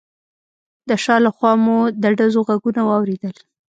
د شا له خوا مو د ډزو غږونه واورېدل.